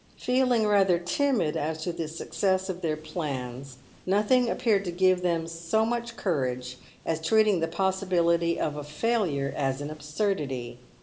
Peeling rather timid as to the success of their plans, nothing appeared to give them so much courage as treating the possibility of a failure as an absurdity.